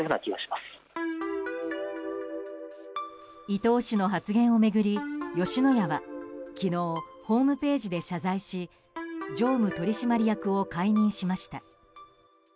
伊東氏の発言を巡り吉野家は昨日、ホームページで謝罪し常務取締役を解任しました。